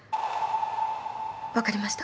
分かりました！